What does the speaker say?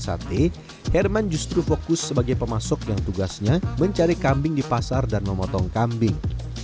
jika tidak dia akan mencari kambing di pasar dan memotong kambing